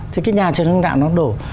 thì cái nhà trần hưng đạo nó đổ